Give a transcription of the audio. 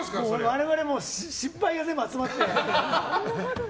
我々も失敗が全部集まってね。